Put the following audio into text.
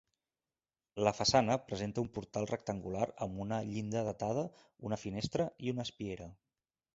La façana presenta un portal rectangular amb una llinda datada, una finestra i una espiera.